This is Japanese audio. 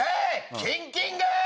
キンキング。